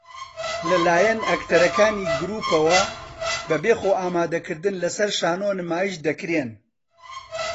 لە لایەن ئەکتەرەکانی گرووپەوە بەبێ خۆئامادەکردن لەسەر شانۆ نمایش دەکرێن